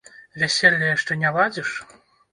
Вяселля яшчэ не ладзіш?